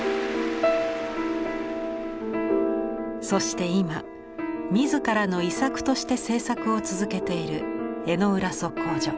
そして今自らの「遺作」として制作を続けている江之浦測候所。